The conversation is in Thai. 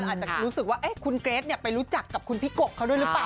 อาจจะรู้สึกว่าคุณเกรทไปรู้จักกับคุณพี่กบเขาด้วยหรือเปล่า